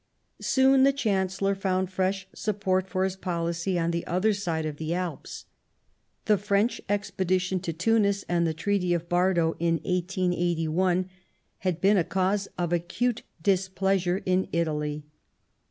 Soon the Chancellor found fresh support for his policy on the other side of the Alps. The French expedition to Tunis and the Treaty of Bardo in 1881 had been a cause of acute displeasure in Italy.